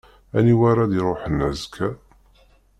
Aniwa ara d-iṛuḥen azekka?